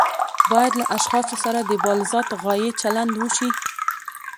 باید له اشخاصو سره د بالذات غایې چلند وشي.